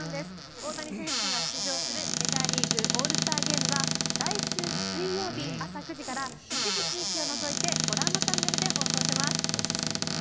大谷選手が出場するメジャーリーグオールスターゲームは来週水曜日、朝９時から一部地域を除いて来週水曜日。